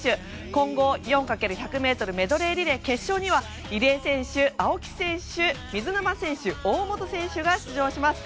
混合４×１００ｍメドレーリレーには入江選手、青木選手、水沼選手大本選手が出場します。